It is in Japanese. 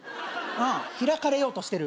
うん開かれようとしてる？